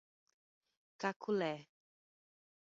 Caculé